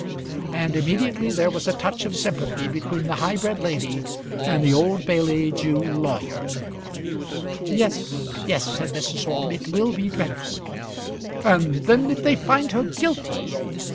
And immediately there was a touch of sympathy between the high bred lady and the Old Bailey Jew lawyer. "Yes, yes," said Mrs. Orme. "It will be dreadful." "And then if they find her guilty!